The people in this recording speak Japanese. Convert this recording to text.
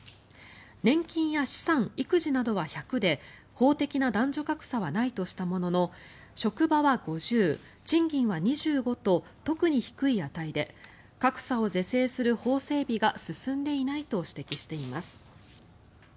年金や資産、育児などは１００で法的な男女格差はないとしたものの職場は５０、賃金は２５と特に低い値で格差を是正する法整備が進んでいないと指摘しています。